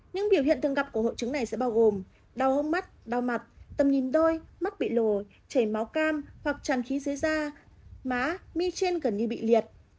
những biểu hiện thường gặp của hội chứng này sẽ bao gồm đau hông mắt đau mặt tầm nhìn đôi mắt bị lồ chảy máu cam hoặc tràn khí dưới da má mi trên gần như bị liệt